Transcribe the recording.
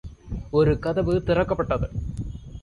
ஒரு கதவு திறக்கப்பட்டது.